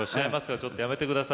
ちょっとやめてください。